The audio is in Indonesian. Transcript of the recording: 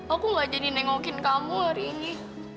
aku gak jadi nengokin kamu hari ini